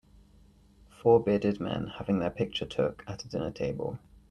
Four bearded men having their picture took at a dinner table.